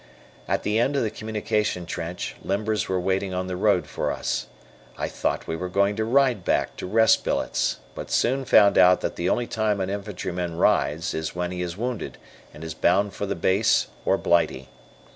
At the end of the communication trench, limbers were waiting on the road for us. I thought we were going to ride back to rest billets, but soon found out that the only time an infantry man rides is when he is wounded and is bound for the base or Blighty.